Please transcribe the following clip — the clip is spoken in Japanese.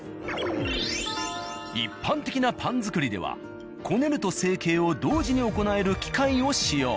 一般的なパン作りではこねると成形を同時に行える機械を使用。